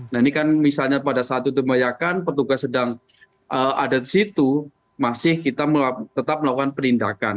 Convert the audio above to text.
nah ini kan misalnya pada saat itu membahayakan petugas sedang ada di situ masih kita tetap melakukan penindakan